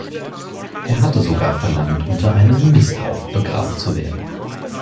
Er hatte sogar verlangt, unter einem Misthaufen begraben zu werden.